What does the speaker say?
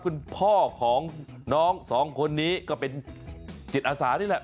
คุณพ่อของน้องสองคนนี้ก็เป็นจิตอาสานี่แหละ